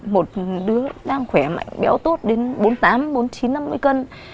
một đứa đang khỏe mạnh béo tốt đến bốn mươi tám bốn mươi chín năm mươi cân